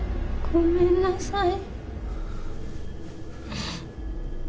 ごめんなさい。